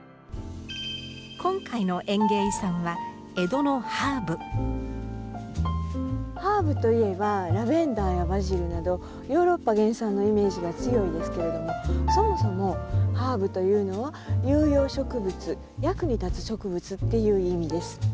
今回の園芸遺産はハーブといえばラベンダーやバジルなどヨーロッパ原産のイメージが強いですけれどもそもそもハーブというのは有用植物役に立つ植物っていう意味です。